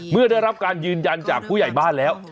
เมื่อได้รับการยืนยันจากผู้ใหญ่บ้านแล้ว